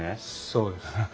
そうです。